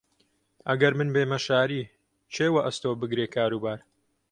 ئەگەر من بێمە شاری، کێ وەئەستۆ بگرێ کاروبار؟